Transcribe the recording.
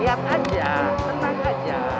lihat aja tenang aja